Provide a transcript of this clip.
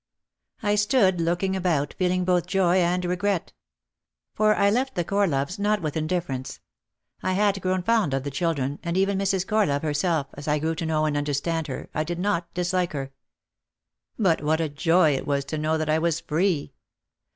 I stood looking about, feeling both joy and regret. For I left the Corloves not with indifference. I had grown fond of the children, and even Mrs. Corlove herself, as I grew to know and understand her, I did not dislike her. But what a joy it was to know that I was free